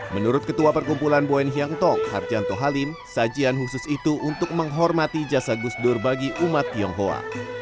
menurut ketua perkumpulan buen hyang tong harjanto halim sajian khusus itu untuk menghormati jasa gus dur bagi umat tionghoa